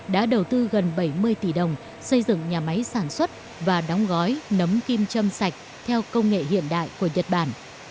đã đầu tư gần bảy mươi tỷ đồng xây dựng nhà máy sản xuất và đóng gói nấm kim châm sạch theo công nghệ hiện đại của nhật bản